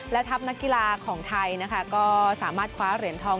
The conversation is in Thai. และทัพนักกีฬาของไทยนะคะก็สามารถคว้าเหรียญทอง